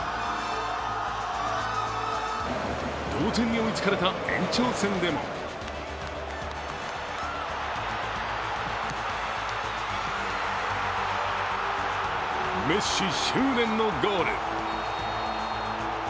同点に追いつかれた延長戦でもメッシ、執念のゴール。